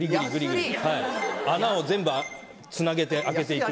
穴を全部つなげて開けて行く。